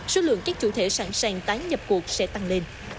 số lượng các chủ thể sẵn sàng tái nhập cuộc sẽ tăng lên